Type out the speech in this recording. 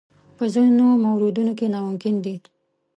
په ځینو موردونو کې ناممکن دي.